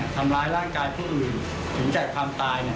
ทำร้ายร่างกายผู้อื่นถึงแก่ความตาย